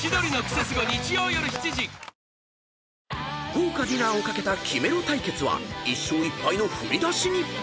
［豪華ディナーを懸けたキメろ対決は１勝１敗の振り出しに］